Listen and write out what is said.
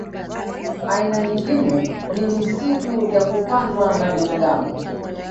Aina nyingine ni misitu ya kupandwa na binadamu